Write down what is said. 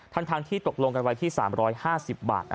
ทั้งที่ตกลงกันไว้ที่๓๕๐บาท